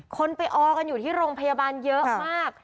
คนไปออกันอยู่ที่โรงพยาบาลเยอะมาก